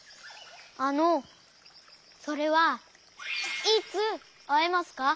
あのそれはいつあえますか？